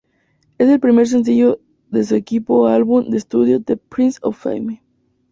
Es el primer sencillo de su quinto álbum de estudio "The Price of Fame".